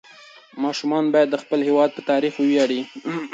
ماشومان باید د خپل هېواد په تاریخ وویاړي.